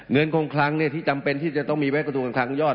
เงินคงคลังที่จำเป็นที่จะต้องมีไว้กระทรวงการคลังยอด